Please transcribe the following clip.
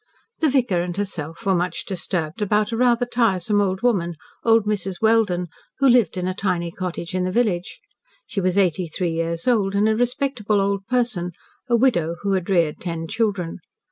The vicar and herself were much disturbed about a rather tiresome old woman old Mrs. Welden who lived in a tiny cottage in the village. She was eighty three years old, and a respectable old person a widow, who had reared ten children.